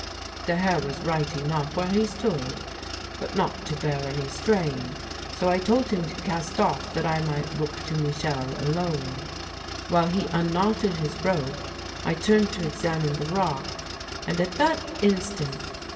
The Herr was right enough where he stood, but not to bear any strain; so I told him to cast off that I might look to Michel alone. While he unknotted his rope I turned to examine the rock, and at that instant